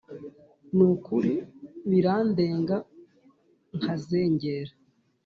nukuri birandenga nkazengera